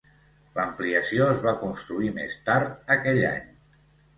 L'ampliació es va construir més tard aquell any.